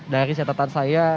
dari catatan saya